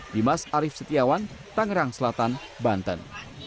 dimas arief setiawan tangerang selatan banten